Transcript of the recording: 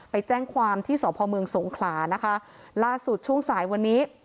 ไปแจ้งความที่สพเมืองสงขลานะคะล่าสุดช่วงสายวันนี้